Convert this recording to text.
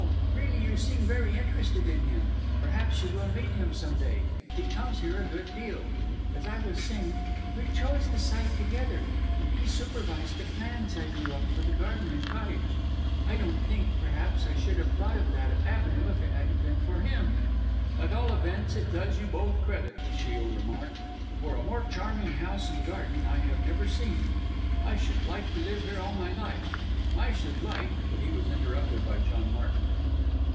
Really you seem very interested in him. Perhaps you will meet him some day: he comes here a good deal. As I was saying, we chose the site together, and he supervized the plans I drew up for the garden and cottage; I don't think, perhaps, I should have thought of that avenue if it hadn't been for him!" "At all events it does you both credit," Shiel remarked, "for a more charming house and garden I have never seen. I should like to live here all my life. I should like " but he was interrupted by John Martin.